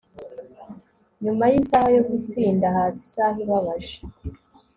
Nyuma yisaha yo gusinda haza isaha ibabaje